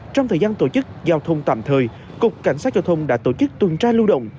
trong thời gian tổ chức giao thông tạm thời cục cảnh sát giao thông đã tổ chức tuần tra lưu động